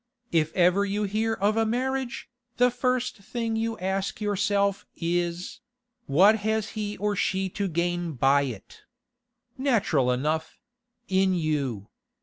If ever you hear of a marriage, the first thing you ask yourself is: What has he or she to gain by it? Natural enough—in you.